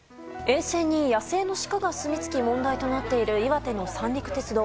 沿線に野生のシカがすみつき問題となっている岩手の三陸鉄道。